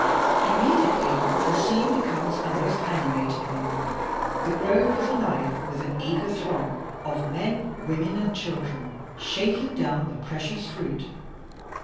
Immediately the scene becomes a most animated one. The grove is alive with an eager throng of men, women and children shaking down the precious fruit.